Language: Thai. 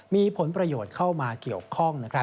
มีผลประโยชน์เข้ามาเกี่ยวข้อง